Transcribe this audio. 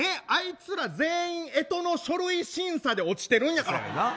あいつら全員干支の書類審査で落ちてるんやから。